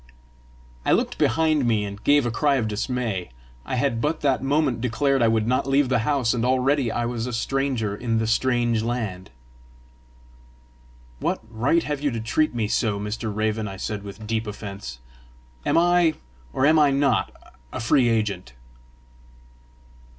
I looked behind me, and gave a cry of dismay: I had but that moment declared I would not leave the house, and already I was a stranger in the strange land! "What right have you to treat me so, Mr. Raven?" I said with deep offence. "Am I, or am I not, a free agent?"